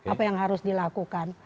apa yang harus dilakukan